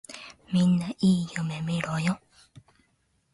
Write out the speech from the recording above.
みんないい夢みろよ。